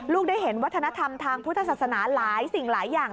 ได้เห็นวัฒนธรรมทางพุทธศาสนาหลายสิ่งหลายอย่าง